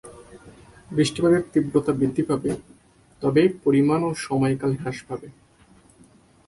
বৃষ্টিপাতের তীব্রতা বৃদ্ধি পাবে, তবে পরিমাণ এবং সময়কাল হ্রাস পাবে।